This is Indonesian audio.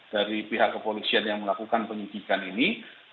dari pihak kepolisian yang melakukan penyidikan ini